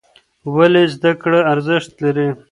ولې زده کړه ارزښت لري؟